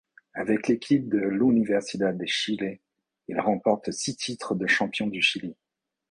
Avec l'équipe de l'Universidad de Chile, il remporte six titres de champion du Chili.